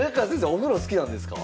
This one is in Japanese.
お風呂好きなんですか？